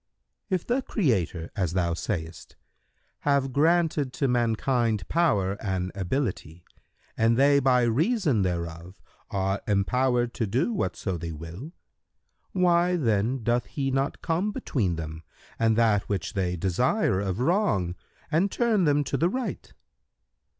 Q "If the Creator, as thou sayest, have granted to mankind power and ability[FN#130] and they by reason thereof are empowered to do whatso they will, why then doth He not come between them and that which they desire of wrong and turn them to the right?"